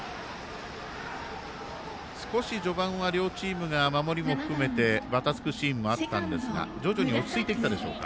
少し序盤は、両チームが守りも含めてばたつくシーンがあったんですが徐々に落ち着いてきたでしょうか。